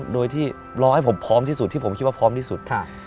โดยที่รอให้ผมพร้อมที่สุดที่ผมคิดว่าพร้อมที่สุด